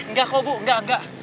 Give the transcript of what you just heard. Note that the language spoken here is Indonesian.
enggak kok bu nggak enggak